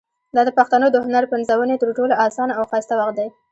دا د پښتنو د هنر پنځونې تر ټولو اسانه او ښایسته وخت دی.